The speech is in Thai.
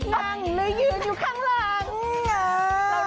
หรือยืนอยู่ข้างหลัง